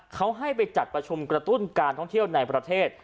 เขาให้ไปจัดประชุมกระตุ้นการท่องเที่ยวในประเทศ